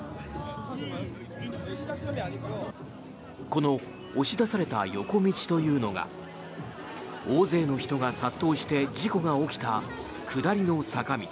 この押し出された横道というのが大勢の人が殺到して事故が起きた下りの坂道。